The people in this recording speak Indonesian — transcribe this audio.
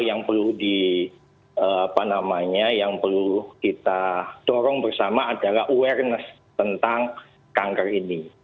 hal yang perlu kita dorong bersama adalah awareness tentang kanker ini